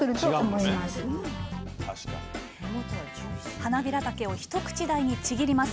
はなびらたけを一口大にちぎります。